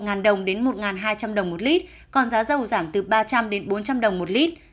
giá xăng sẽ giảm mức một đồng đến một hai trăm linh đồng một lít còn giá dầu giảm từ ba trăm linh đến bốn trăm linh đồng một lít